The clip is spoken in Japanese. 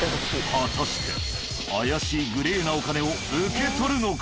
果たして怪しいグレーなお金を受け取るのか？